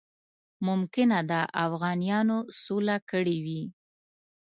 ممکنه ده اوغانیانو سوله کړې وي.